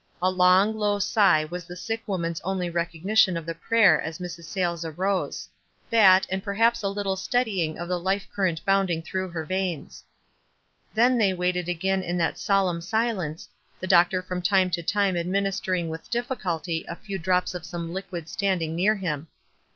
A long, low sigh was the sick woman's only recog nition of the prayer as Mrs. Sayles arose — that, and perhaps a little steadying of the life current bounding through her veins. Then they waited again in that solemn silence, the doctor from time to time administering with difficulty a few drops of some liquid standing near him.